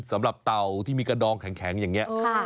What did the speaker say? เต่าที่มีกระดองแข็งอย่างนี้